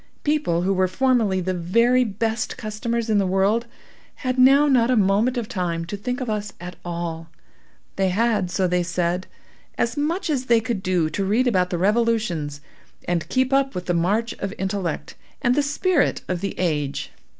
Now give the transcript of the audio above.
People who were formerly, the very best customers in the world, had now not a moment of time to think of us at all. They had, so they said, as much as they could do to read about the revolutions, and keep up with the march of intellect and the spirit of the age.